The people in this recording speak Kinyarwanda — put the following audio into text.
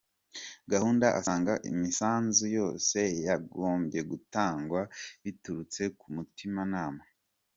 Gahungu asanga imisanzu yose yagombye gutangwa biturutse ku mutima nama.